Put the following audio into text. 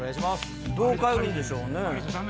どう変えるんでしょうね。